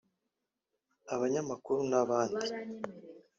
abanyamakuru n’abandi